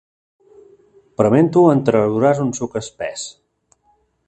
Prement-ho en trauràs un suc espès.